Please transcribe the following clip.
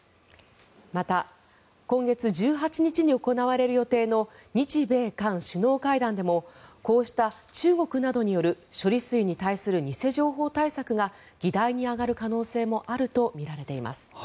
また今月１８日に行われる予定の日米韓首脳会談でもこうした中国などによる処理水に対する偽情報対策が議題に挙がる可能性もあるとみられています。